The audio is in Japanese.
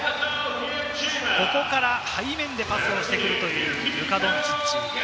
ここから背面でパスをしてくるというルカ・ドンチッチ。